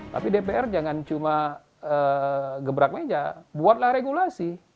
tapi dpr jangan cuma gebrak meja buatlah regulasi